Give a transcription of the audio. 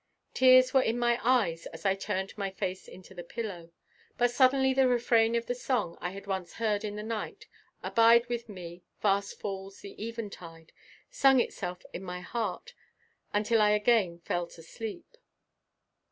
Tears were in my eyes as I turned my face into the pillow, but suddenly the refrain of the song I had once heard in the night, "Abide with me, fast falls the eventide," sung itself in my heart until I again fell to sleep.